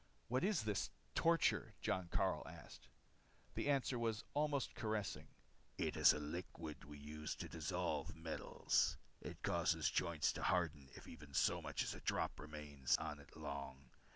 "What is this torture?" Jon Karyl asked. The answer was almost caressing: "It is a liquid we use to dissolve metals. It causes joints to harden if even so much as a drop remains on it long.